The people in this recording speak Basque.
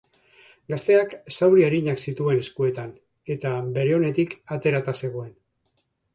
Gazteak zauri arinak zituen eskuetan, eta bere onetik aterata zegoen.